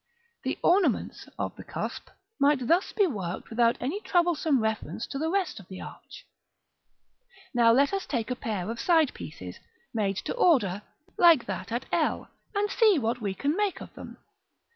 The ornaments of the cusp might thus be worked without any troublesome reference to the rest of the arch. § XIX. Now let us take a pair of side pieces, made to order, like that at l, and see what we can make of them.